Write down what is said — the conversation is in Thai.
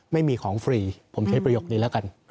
ไม่มีของฟรีผมใช้ประโยคนี้แล้วกัน